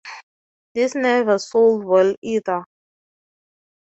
This never sold well either.